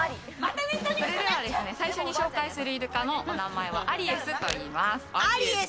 それでは最初に紹介するイルカのお名前はアリエスといいます。